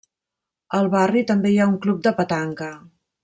Al barri, també hi ha un club de petanca.